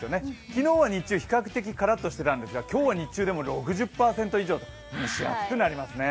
昨日は日中比較的カラッとしていたんですけれども、今日は日中でも６０％以上と蒸し暑くなりますね。